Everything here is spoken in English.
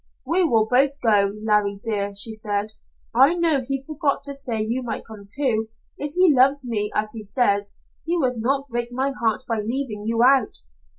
"'We will both go, Larry, dear,' she said. 'I know he forgot to say you might come, too. If he loves me as he says, he would not break my heart by leaving you out.'